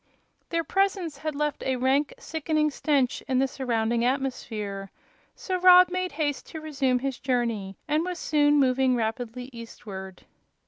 Their presence had left a rank, sickening stench in the surrounding atmosphere, so Rob made haste to resume his journey and was soon moving rapidly eastward.